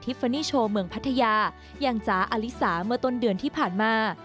ฟานีโชว์เมืองพัทยาอย่างจ๋าอลิสาเมื่อต้นเดือนที่ผ่านมา